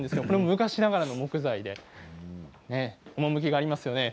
昔ながらの木材で趣がありますよね。